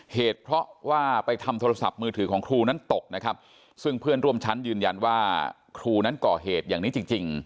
เหตุเพราะว่าไปทำโทรศัพท์มือถือของครูนั้นตกนะครับซึ่งเพื่อนร่วมชั้นยืนยันว่าครูนั้นก่อเหตุอย่างนี้จริงจริง